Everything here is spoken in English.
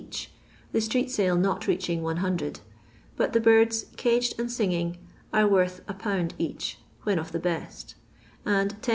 each, the street sale not reaching 100, but the birds, " caged and singing," are worth I^ each, when of the best ; and 10#.